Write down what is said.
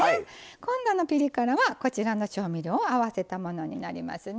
今度のピリ辛はこちらの調味料を合わせたものになりますね。